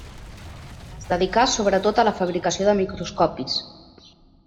Es dedicà sobretot a la fabricació de microscopis.